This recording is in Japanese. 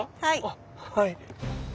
あっはい。